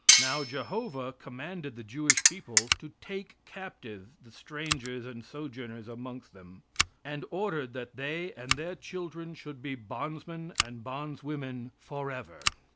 Now, Jehovah commanded the Jewish people to take captives the strangers and sojourners amongst them, and ordered that they and their children should be bondsmen and bondswomen for ever.